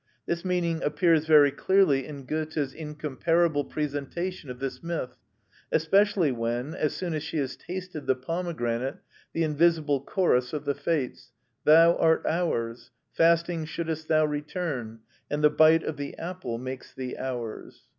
This meaning appears very clearly in Goethe's incomparable presentation of this myth, especially when, as soon as she has tasted the pomegranate, the invisible chorus of the Fates— "Thou art ours! Fasting shouldest thou return: And the bite of the apple makes thee ours!"